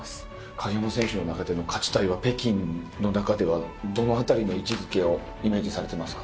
鍵山選手の中での勝ちたいは北京の中ではどの辺りの位置づけをイメージされてますか？